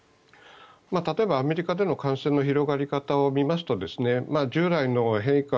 例えば、アメリカでの感染の広がり方を見ますと従来の変異株